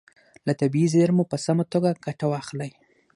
له طبیعي زیرمو په سمه توګه ګټه واخلئ.